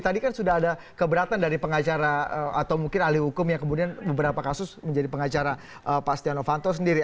tadi kan sudah ada keberatan dari pengacara atau mungkin ahli hukum yang kemudian beberapa kasus menjadi pengacara pak stiano fanto sendiri